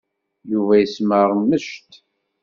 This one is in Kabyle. Yuba yesmeṛmec-d.